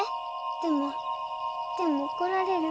でもでもおこられる。